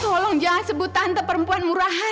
tolong jangan sebut tante perempuan murahan